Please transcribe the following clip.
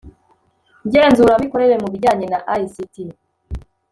ngenzuramikorere mu bijyanye na ict